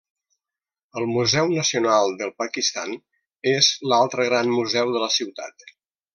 El Museu Nacional del Pakistan és l'altre gran museu de la ciutat.